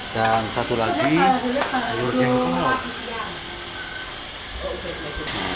dan satu lagi lurus yang kemarau